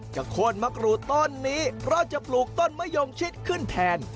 โค้นมะกรูดต้นนี้เพราะจะปลูกต้นมะยงชิดขึ้นแทน